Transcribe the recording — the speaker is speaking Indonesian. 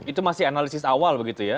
itu masih analisis awal begitu ya